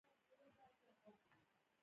د کوانټم ټیلیپورټیشن معلومات لېږدوي نه ماده.